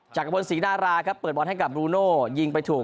กระพลศรีดาราครับเปิดบอลให้กับบรูโน่ยิงไปถูก